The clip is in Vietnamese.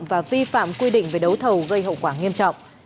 và vi phạm quy định về đấu thầu gây hậu quả nghiêm trọng